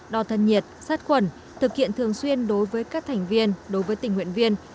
đo thân nhiệt sát khuẩn thực hiện thường xuyên đối với các thành viên đối với tình nguyện viên